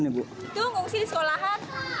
tunggu di sekolahan